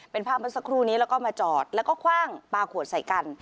เป็นภาพเมื่อสักครู่นี้แล้วก็มาจอดแล้วก็คว่างปลาขวดใส่กัน